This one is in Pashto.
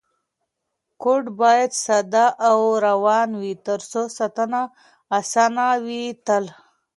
کوډ باید ساده او روان وي ترڅو ساتنه اسانه وي تل.